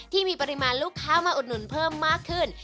ที่มีปริมาณลูกค้ามาอุดหนุนเพิ่มมากขึ้น